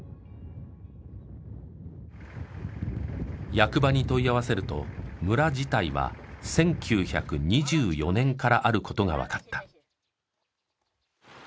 役場に問い合わせると村自体は１９２４年からあることがわかった。